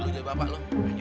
lu jadi bapak lu